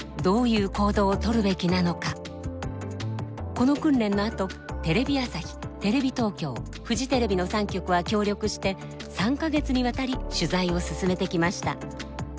この訓練のあとテレビ朝日テレビ東京フジテレビの３局は協力して３か月にわたり取材を進めてきました。